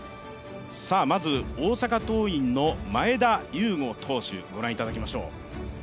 まず、大阪桐蔭の前田悠伍投手、ご覧いただきましょう。